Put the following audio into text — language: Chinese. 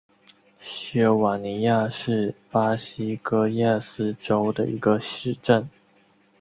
锡尔瓦尼亚是巴西戈亚斯州的一个市镇。